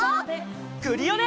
クリオネ！